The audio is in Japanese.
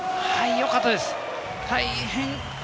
よかったです。